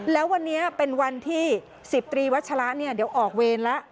แล้ววันนี้เป็นวันที่๑๐ตรีวัชละเดี๋ยวออกเวรแล้ว